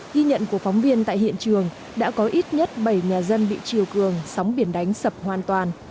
ghi nhận của phóng viên tại hiện trường đã có ít nhất bảy nhà dân bị triều cường sóng biển đánh sập hoàn toàn